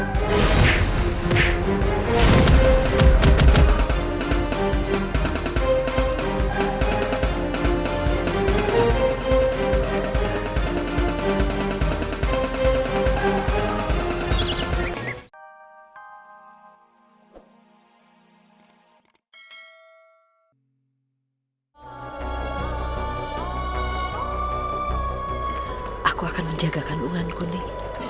terima kasih nih